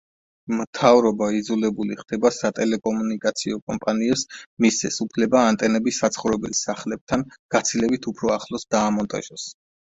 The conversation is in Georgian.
მთავრობა იძულებული ხდება, სატელეკომუნიკაციო კომპანიებს მისცეს უფლება ანტენები საცხოვრებელ სახლებთან გაცილებით უფრო ახლოს დაამონტაჟოს.